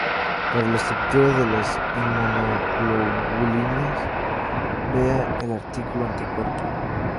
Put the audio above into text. Para la estructura de las Inmunoglobulinas vea el artículo anticuerpo.